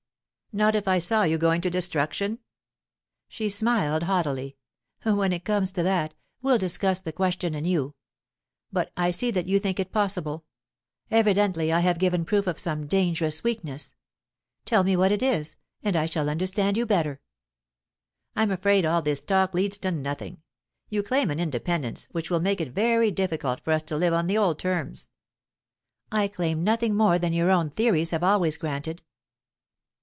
"Not if I saw you going to destruction?" She smiled haughtily. "When it comes to that, we'll discuss the question anew. But I see that you think it possible. Evidently I have given proof of some dangerous weakness. Tell me what it is, and I shall understand you better." "I'm afraid all this talk leads to nothing. You claim an independence which will make it very difficult for us to live on the old terms." "I claim nothing more than your own theories have always granted."